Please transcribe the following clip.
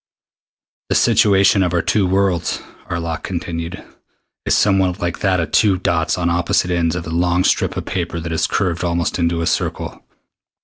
"The situation of our two worlds," Arlok continued, "is somewhat like that of two dots on opposite ends of a long strip of paper that is curved almost into a circle.